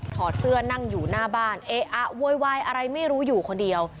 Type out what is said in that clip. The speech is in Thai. ถอดเสื้อนั่งอยู่หน้าบ้านเอ๊ะอะโวยวายอะไรไม่รู้อยู่คนเดียว